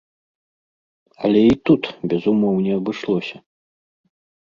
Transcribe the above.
Але і тут без умоў не абышлося.